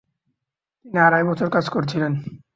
তিনি আড়াই বছর কাজ করেছিলেন।